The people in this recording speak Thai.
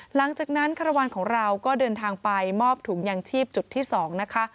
หลังจากนั้นคารวาลของเราก็เดินทางไปมอบถุงยางชีพจุดที่๒นะคะ